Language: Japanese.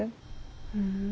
ふん。